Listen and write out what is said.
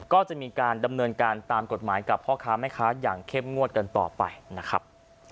ก็จะมีการดำเนินการตามกฎหมายกับพ่อค้าแม่ค้าอย่างเข้มงวดกันต่อไปนะครับ